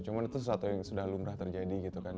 cuma itu sesuatu yang sudah lumrah terjadi gitu kan